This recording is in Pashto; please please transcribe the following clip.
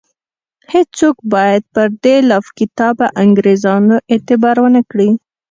هیڅوک باید پر دې لافکتابه انګرېزانو اعتبار ونه کړي.